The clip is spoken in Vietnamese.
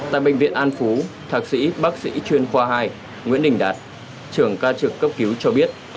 tại bệnh viện an phú thạc sĩ bác sĩ chuyên khoa hai nguyễn đình đạt trưởng ca trực cấp cứu cho biết